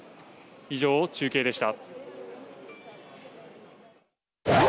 以上、中継でした。